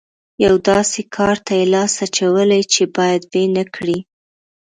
یوه داسې کار ته یې لاس اچولی چې بايد ويې نه کړي.